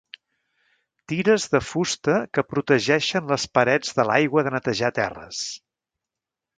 Tires de fusta que protegeixen les parets de l'aigua de netejar terres.